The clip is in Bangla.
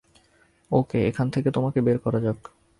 ওকে, এখান থেকে তোমাকে বের করা যাক।